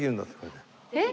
えっ！